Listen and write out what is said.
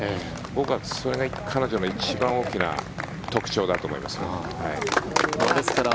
僕はそれが彼女の一番大きな特徴だと思います。